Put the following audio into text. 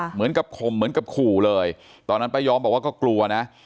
ข่มเหมือนกับขู่เลยตอนนั้นป้าย้อมบอกว่าก็กลัวนะ